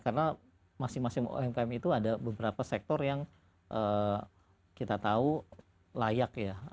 karena masing masing umkm itu ada beberapa sektor yang kita tahu layak ya